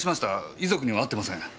遺族には会ってません。